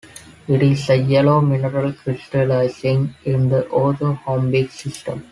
It is a yellow mineral crystallizing in the orthorhombic system.